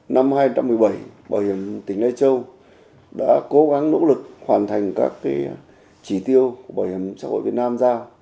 năm hai nghìn một mươi bảy bảo hiểm tỉnh lai châu đã cố gắng nỗ lực hoàn thành các chỉ tiêu của bảo hiểm xã hội việt nam giao